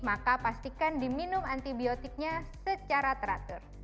maka pastikan diminum antibiotiknya secara teratur